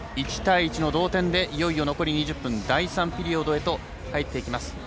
１対１の同点でいよいよ残り２０分第３ピリオドへと入ってきます。